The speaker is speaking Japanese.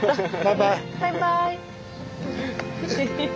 バイバイ。